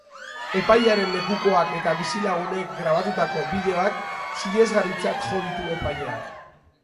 Epailearen lekukoak eta bizilagunek grabatutako bideoak sinesgarritzat jo ditu epaileak.